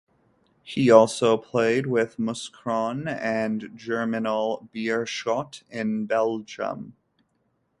He also played with Mouscron and Germinal Beerschot in Belgium.